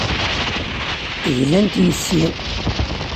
Glant yes-i.